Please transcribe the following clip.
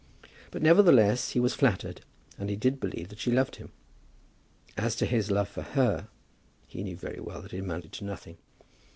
But, nevertheless, he was flattered, and he did believe that she loved him. As to his love for her, he knew very well that it amounted to nothing.